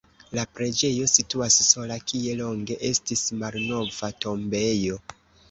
La preĝejo situas sola, kie longe estis malnova tombejo.